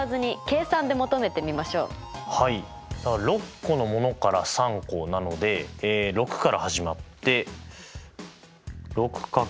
６個のものから３個なので６から始まって。